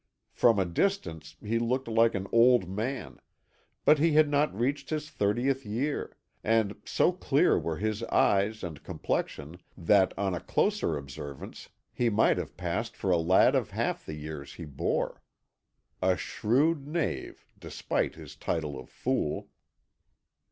From a distance he looked like an old man, but he had not reached his thirtieth year, and so clear were his eyes and complexion that, on a closer observance, he might have passed for a lad of half the years he bore. A shrewd knave, despite his title of fool.